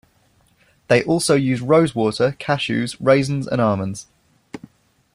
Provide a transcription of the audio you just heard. They also used rose water, cashews, raisins, and almonds.